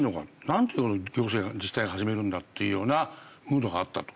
んで行政が自治体が始めるんだっていうようなムードがあったと。